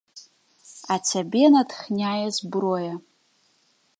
А цябе натхняе зброя.